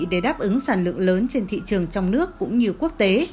để đáp ứng sản lượng lớn trên thị trường trong nước cũng như quốc tế